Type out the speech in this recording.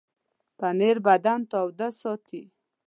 پنېر بدن تاوده ساتي.